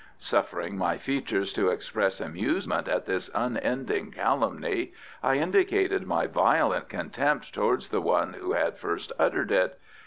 Suffering my features to express amusement at this unending calumny, I indicated my violent contempt towards the one who had first uttered it.